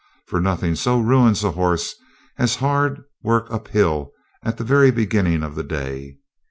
For nothing so ruins a horse as hard work uphill at the very beginning of the day.